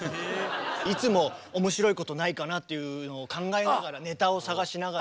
いつも面白いことないかなっていうのを考えながらネタを探しながら。